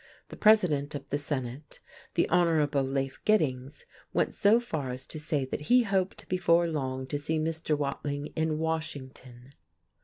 The President of the Senate, the Hon. Lafe Giddings, went so far as to say that he hoped before long to see Mr. Watling in Washington.